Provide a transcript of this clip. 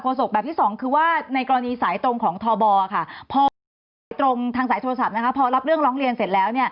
โฆษกแบบที่สองคือว่าในกรณีสายตรงของทบพอรับเรื่องร้องเรียนเสร็จแล้ว